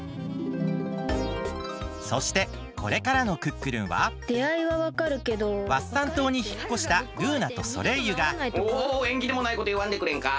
そしてこれからの「クックルン」はワッサンとうにひっこしたルーナとソレイユがおえんぎでもないこといわんでくれんか。